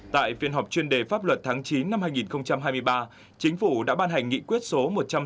tại phiên họp chuyên đề pháp luật tháng chín năm hai nghìn hai mươi ba chính phủ đã ban hành nghị quyết số một trăm sáu mươi